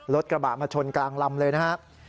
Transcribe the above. รถกระบะมาชนกลางลำเลยนะครับ